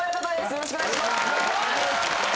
よろしくお願いします